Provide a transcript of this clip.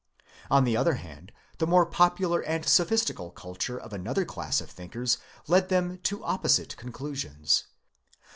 On the other hand, the more popular and sophistical culture of another class of thinkers led them to opposite conclusions.